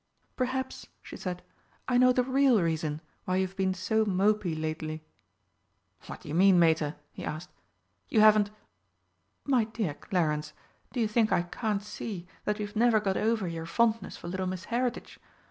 "Perhaps," she said, "I know the real reason why you've been so mopy lately." "What do you mean, Mater?" he asked. "You haven't ?" "My dear Clarence, do you think I can't see that you've never got over your fondness for little Miss Heritage?